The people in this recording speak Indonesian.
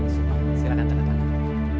sukma silahkan tanda tangani